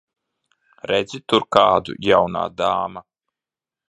Redzi tur kādu, jaunā dāma?